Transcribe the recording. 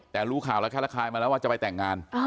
แต่รู้ข่าวแล้วแค่ระคายมาแล้วว่าจะไปแต่งงาน